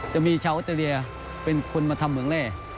จะมีชาวออสเตรเลียเป็นคนมาทำเหมืองแร่